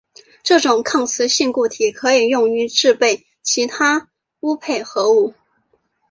这种抗磁性固体可以用于制备其它钨配合物。